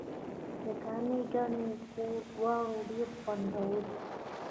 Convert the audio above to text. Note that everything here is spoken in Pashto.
د کامې ګني او ګوړه دواړه ډیر خوندور دي.